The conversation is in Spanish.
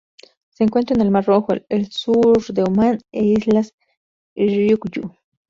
Se encuentra en el Mar Rojo, el sur de Omán e Islas Ryukyu.